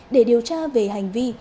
để điều tra về hành vi